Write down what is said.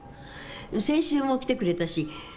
先週も来てくれたし